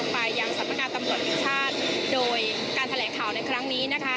ไปยังสำนักงานตำรวจแห่งชาติโดยการแถลงข่าวในครั้งนี้นะคะ